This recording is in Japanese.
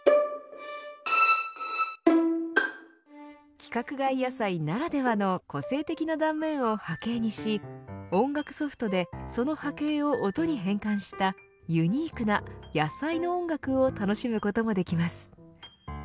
規格外野菜ならではの個性的な断面を波形にし音楽ソフトでその波形を音に変換したユニークな野菜の音楽を楽しむこともできます。